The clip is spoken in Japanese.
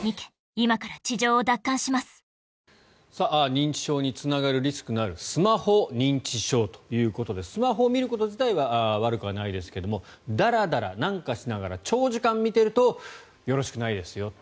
認知症につながるリスクがあるスマホ認知症ということでスマホを見ること自体は悪くはないですがだらだら、なんかしながら長時間見ているとよろしくないですよ。